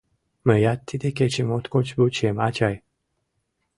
Мыят тиде кечым моткоч вучем, ачай.